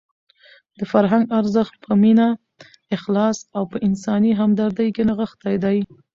د فرهنګ ارزښت په مینه، اخلاص او په انساني همدردۍ کې نغښتی دی.